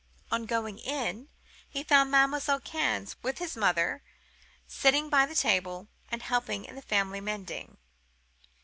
On going in, he found Mademoiselle Cannes with his mother, sitting by the table, and helping in the family mending.